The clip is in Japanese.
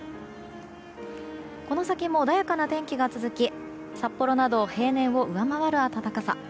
この先も穏やかな天気が続き札幌などは平年を上回る暖かさ。